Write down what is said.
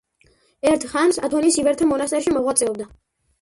ერთხანს ათონის ივერთა მონასტერში მოღვაწეობდა.